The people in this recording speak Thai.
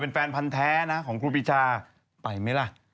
เป็นแฟนพันธ์แท้นะของครูปีชาไปไหมล่ะ